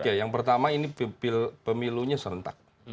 oke yang pertama ini pemilunya serentak